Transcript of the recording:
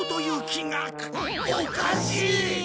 おかしい！